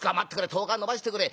『１０日延ばしてくれ』